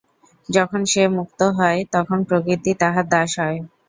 যখন সে মুক্ত হয়, তখন প্রকৃতি তাহার দাস হয়।